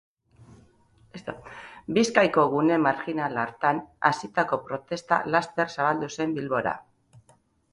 Bizkaiko gune marjinal hartan hasitako protesta laster zabaldu zen Bilbora.